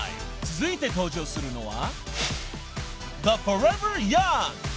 続いて登場するのは］